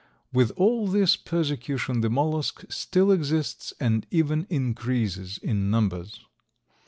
With all this persecution the mollusk still exists and even increases in numbers.